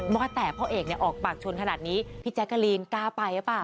เมื่อแต่พ่อเอกออกปากชนขนาดนี้พี่แจ๊คกะลีนก้าไปแล้วเปล่า